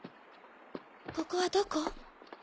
ここはどこ？